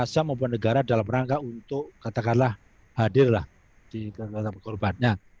komnas ham mempunyai negara dalam rangka untuk katakanlah hadir lah di kata kata korbannya